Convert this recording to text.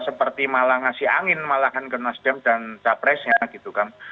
seperti malah ngasih angin malah kan ke nasdam dan capresnya gitu kan